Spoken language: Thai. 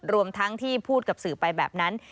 รวมทั้งที่พูดกับสื่อไปแบบนั้น